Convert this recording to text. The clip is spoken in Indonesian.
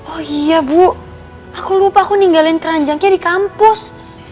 oh iya bu aku lupa aku ninggalin keranjangnya di kampus